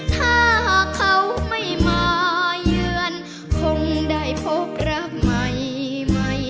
ถ้าเขาไม่มาเยือนคงได้พบรักใหม่ใหม่